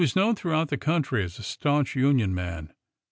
11 known throughout the country as a staunch Union man.